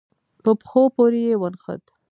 په پښو پورې يې ونښت.